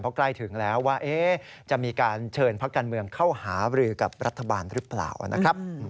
เพราะใกล้ถึงแล้วว่าจะมีการเชิญพักการเมืองเข้าหาบรือกับรัฐบาลหรือเปล่านะครับ